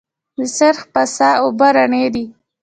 د سرخ پارسا اوبه رڼې دي